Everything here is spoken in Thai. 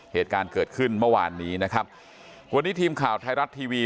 เหตุการณ์เกิดขึ้นเมื่อวานนี้นะครับวันนี้ทีมข่าวไทยรัฐทีวี